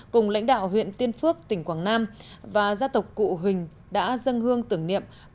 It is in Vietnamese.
cùng lãnh đạo huyện tiên phước tỉnh quảng nam và gia tộc cụ huỳnh đã dâng hương tưởng niệm